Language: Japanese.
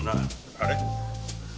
あれ？